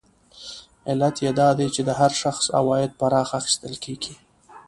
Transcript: علت یې دا دی چې د هر شخص عواید پراخه اخیستل کېږي